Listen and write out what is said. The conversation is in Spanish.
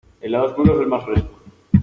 El lado oscuro es el más fresco.